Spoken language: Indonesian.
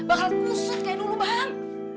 bakal kusut kayak dulu bahan